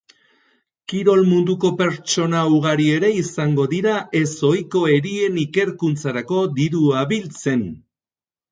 Kirol munduko pertsona ugari ere izango dira ez ohiko erien ikerkuntzarako dirua biltzen.